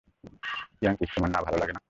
Yankees তোমার না ভালো লাগে না?